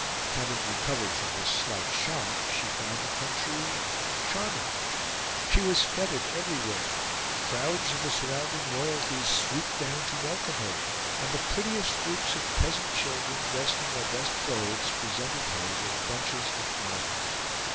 Having recovered from this slight shock, she found the country charming. She was feted everywhere, crowds of the surrounding royalties swooped down to welcome her, and the prettiest groups of peasant children, dressed in their best clothes, presented her with bunches of flowers.